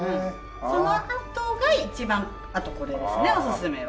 そのあとが一番あとこれですねおすすめは。